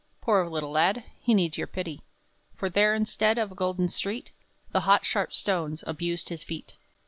Poor little lad! he needs your pity; For there, instead of a golden street, The hot, sharp stones abused his feet.